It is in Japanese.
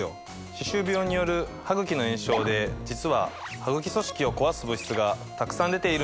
歯周病によるハグキの炎症で実はハグキ組織を壊す物質がたくさん出ているんです。